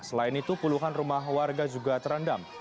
selain itu puluhan rumah warga juga terendam